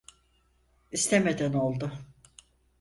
İstemeden oldu.